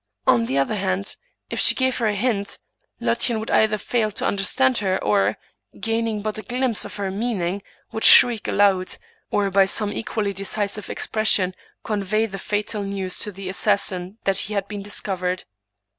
On the other hand, if she gave her a hint, Lottchen would either fail to understand her, or, gaining but a glimpse of her meaning, would shriek aloud, or by some equally decisive expression convey the fatal news to the assassin that he had been discovered.